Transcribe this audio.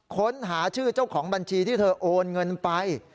ค้นหาชื่อเจ้าของบัญชีที่เธอโอนเงินไป